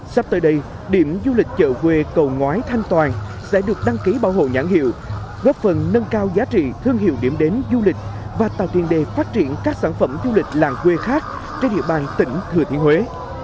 sắp tới đây điểm du lịch chợ quê cầu ngói thanh toàn sẽ được đăng ký bảo hộ nhãn hiệu góp phần nâng cao giá trị thương hiệu điểm đến du lịch và tạo tiền đề phát triển các sản phẩm du lịch làng quê khác trên địa bàn tỉnh thừa thiên huế